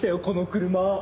この車。